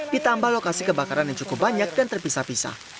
ditambah lokasi kebakaran yang cukup banyak dan terpisah pisah